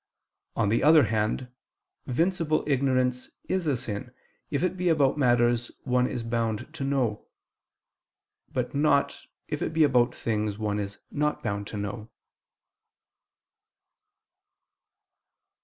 On the other hand, vincible ignorance is a sin, if it be about matters one is bound to know; but not, if it be about things one is not bound to know.